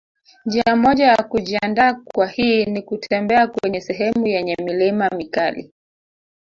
Njia moja ya kujiandaa kwa hii nikutembea kwenye sehemu yenye milima mikali